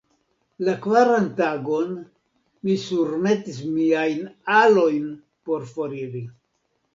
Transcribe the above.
La kvaran tagon, mi surmetis miajn alojn por foriri.